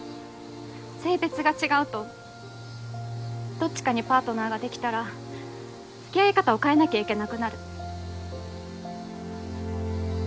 性別が違うとどっちかにパートナーが出来たらつきあい方を変えなきゃいけなくなる。